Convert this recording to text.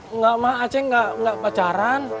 enggak ma aceh enggak pacaran